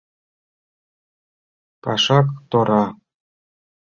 Пашак тора.